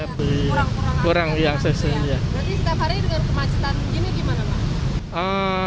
berarti setiap hari dengan kemacetan ini gimana pak